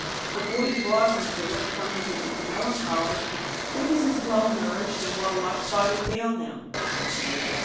if the void draws him to it, plunging him into melancholy, what does his well nourished and well washed body avail him?